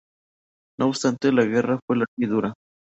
No obstante, la guerra fue larga y dura.